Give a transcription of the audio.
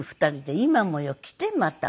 今もよ。来てまた。